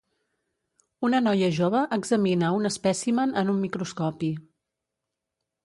Una noia jove examina un espècimen en un microscopi.